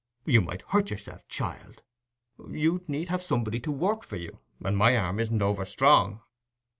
You might hurt yourself, child. You'd need have somebody to work for you—and my arm isn't over strong."